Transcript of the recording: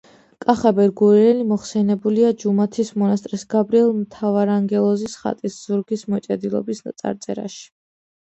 კახაბერ გურიელი მოხსენიებულია ჯუმათის მონასტრის გაბრიელ მთავარანგელოზის ხატის ზურგის მოჭედილობის წარწერაში.